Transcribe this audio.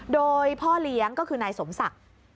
โดยพ่อเลี้ยงก็คือนายสมศักดิ์